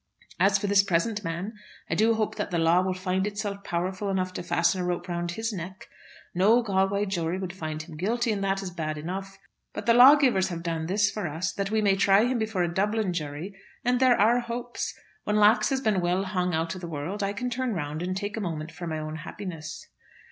As for this present man, I do hope that the law will find itself powerful enough to fasten a rope round his neck. No Galway jury would find him guilty, and that is bad enough. But the lawgivers have done this for us, that we may try him before a Dublin jury, and there are hopes. When Lax has been well hung out of the world I can turn round and take a moment for my own happiness."